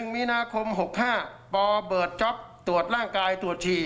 มีนาคม๖๕ปเปิดจ๊อปตรวจร่างกายตรวจฉี่